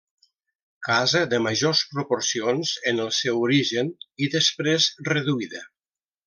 Casa de majors proporcions en el seu origen, i després reduïda.